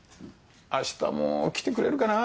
あしたも来てくれるかな？